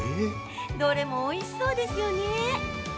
どれもおいしそうですよね。